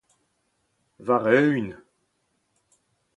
War-eeun.